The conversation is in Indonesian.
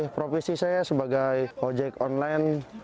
profesi saya sebagai ojek online